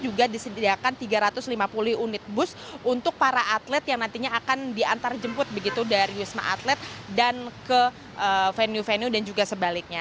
juga disediakan tiga ratus lima puluh unit bus untuk para atlet yang nantinya akan diantar jemput begitu dari wisma atlet dan ke venue venue dan juga sebaliknya